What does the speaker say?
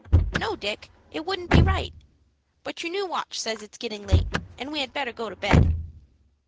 "No, Dick, it wouldn't be right. But your new watch says it's getting late, and we had better go to bed."